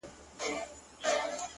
گراني چي د ټول كلي ملكه سې ـ